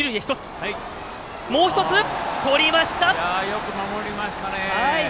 よく守りましたね！